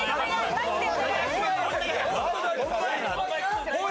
マジで。